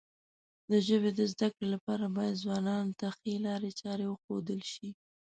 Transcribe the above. د ژبې د زده کړې لپاره باید ځوانانو ته ښې لارې چارې وښودل شي.